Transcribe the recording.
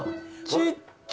小っちゃ！